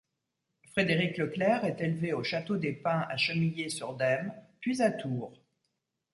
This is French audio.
Frédéric Leclerc est élevé au château des Pins à Chemillé-sur-Dême, puis à Tours.